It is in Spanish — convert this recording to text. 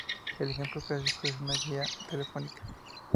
El ejemplo clásico es una guía telefónica.